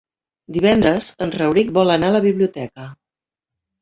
Divendres en Rauric vol anar a la biblioteca.